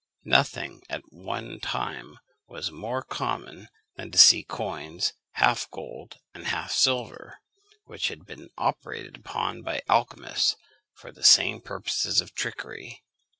Nothing at one time was more common than to see coins, half gold and half silver, which had been operated upon by alchymists, for the same purposes of trickery.